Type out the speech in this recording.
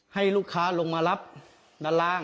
ให้ลูกค้าลงมารับด้านล่าง